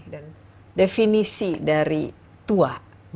dan definisi dari tua